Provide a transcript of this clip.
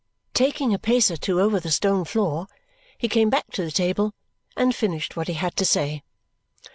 Taking a pace or two over the stone floor, he came back to the table and finished what he had to say.